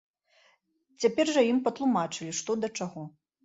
Цяпер жа ім патлумачылі што да чаго.